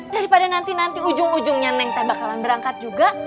daripada nanti nanti ujung ujungnya nengte bakalan berangkat juga